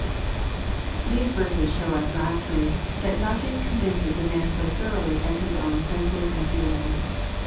These verses show us, lastl}'^, that nothing convinces a man so thorougMy as his own senses and feelings.